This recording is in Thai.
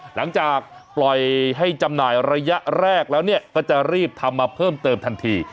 หลังจากปล่อยให้จำหน่ายระยะแรกแล้วเนี่ยก็จะรีบทำมาเพิ่มเติมทันที